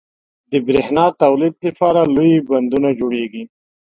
• د برېښنا د تولید لپاره لوی بندونه جوړېږي.